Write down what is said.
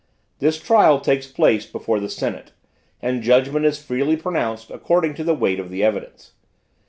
This trial takes place before the Senate, and judgment is freely pronounced according to the weight of the evidence.